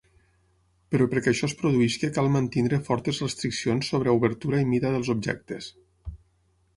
Però perquè això es produeixi cal mantenir fortes restriccions sobre obertura i mida dels objectes.